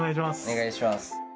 お願いします。